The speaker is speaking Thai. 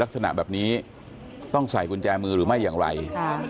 ลักษณะแบบนี้ต้องใส่กุญแจมือหรือไม่อย่างไร